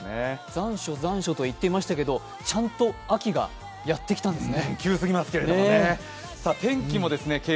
残暑、残暑と言っていましたけどちゃんと秋がやってきたんですね。